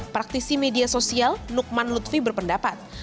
praktisi media sosial nukman lutfi berpendapat